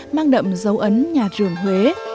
mang đậm dấu ấn nhà rường huế